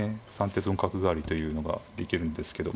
３手損角換わりというのができるんですけど。